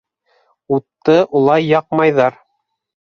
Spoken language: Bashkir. Утты улай яҡмайҙар!